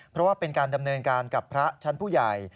เพราะว่าเป็นการดำเนินการกับพระชั้นผู้ใหญ่